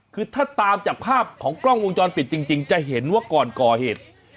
คือถ้าตามจากภาพของกล้องวงจรปิดจริงจะเห็นว่าก่อนก่อเหตุ